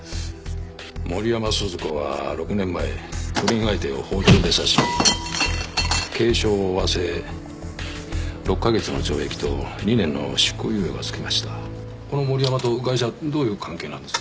森山鈴子は６年前不倫相手を包丁で刺し軽傷を負わせ６ヵ月の懲役と２年の執行猶予がつきましたこの森山とガイシャどういう関係なんです？